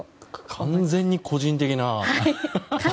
完全に個人的な。